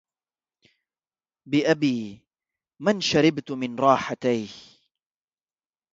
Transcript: بأبي من شربت من راحتيه